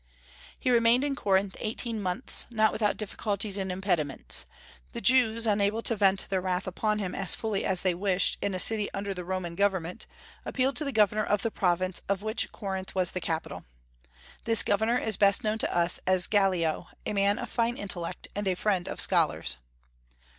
He remained in Corinth eighteen months, not without difficulties and impediments. The Jews, unable to vent their wrath upon him as fully as they wished in a city under the Roman government, appealed to the governor of the province of which Corinth was the capital. This governor is best known to us as Gallio, a man of fine intellect, and a friend of scholars.